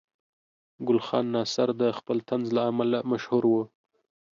ګل خان ناصر د خپل طنز له امله مشهور و.